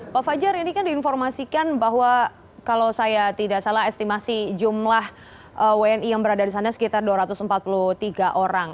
pak fajar ini kan diinformasikan bahwa kalau saya tidak salah estimasi jumlah wni yang berada di sana sekitar dua ratus empat puluh tiga orang